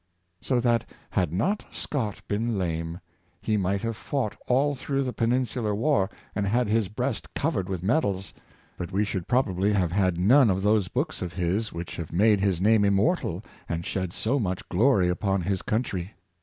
So that, had not Scott been lame, he might have fought all through the Peninsular War, and had his breast covered with medals ; but we should probably have had none of those works of his which have made his name immortal and shed so much glory upon his country.